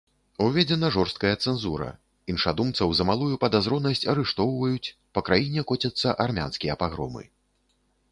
Уведзена жорсткая цэнзура, іншадумцаў за малую падазронасць арыштоўваюць, па краіне коцяцца армянскія пагромы.